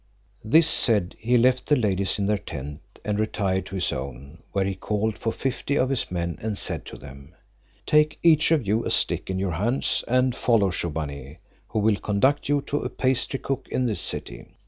This said, he left the ladies in their tent, and retired to his own; where he called for fifty of his men, and said to them: "Take each of you a stick in your hands, and follow Shubbaunee, who will conduct you to a pastry cook in this city.